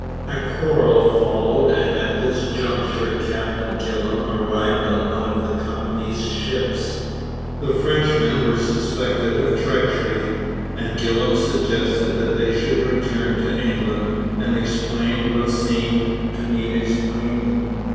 A quarrel followed and at this juncture Captain Gillam arrived on one of the Company's ships. The Frenchmen were suspected of treachery, and Gillam suggested that they should return to England and explain what seemed to need explaining.